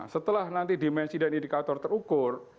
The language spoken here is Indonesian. setelah nanti dimensi dan indikator terukur